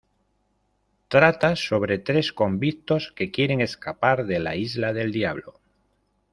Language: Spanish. Trata sobre tres convictos que quieren escapar de la Isla del Diablo.